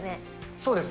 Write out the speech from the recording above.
そうです。